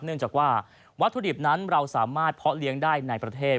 เนื่องจากว่าวัตถุดิบนั้นเราสามารถเพาะเลี้ยงได้ในประเทศ